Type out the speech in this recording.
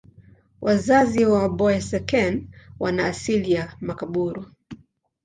Wazazi wa Boeseken wana asili ya Makaburu.